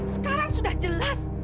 sekarang sudah jelas